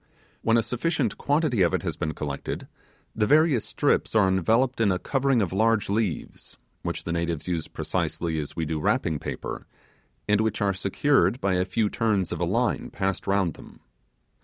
When a sufficient quantity of it has been collected, the various strips are enveloped in a covering of large leaves, which the natives use precisely as we do wrapping paper, and which are secured by a few turns of a line passed round them.